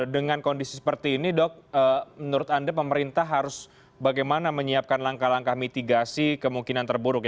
dengan kondisi seperti ini dok menurut anda pemerintah harus bagaimana menyiapkan langkah langkah mitigasi kemungkinan terburuk